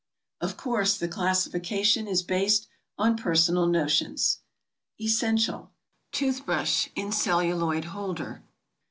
Of course, the classification is based on per sonal notions: ESSENTIAL. Tooth brush, in celluloid holder.